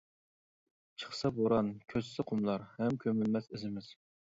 چىقسا بوران كۆچسە قۇملار ھەم كۆمۈلمەس ئىزىمىز.